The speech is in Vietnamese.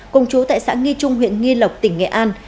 cùng chú tại xã nghi trung huyện nghi lộc tỉnh nghệ an